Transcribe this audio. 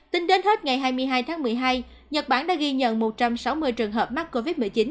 tính đến hết ngày hai mươi hai tháng một mươi hai nhật bản đã ghi nhận một trăm sáu mươi trường hợp mắc covid một mươi chín